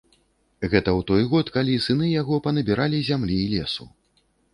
Гэта ў той год, калі сыны яго панабіралі зямлі і лесу.